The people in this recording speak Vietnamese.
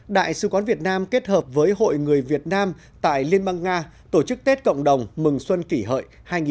đại sứ quán việt nam kết hợp với hội người việt nam tại liên bang nga tổ chức tết cộng đồng mừng xuân kỷ hợi hai nghìn một mươi chín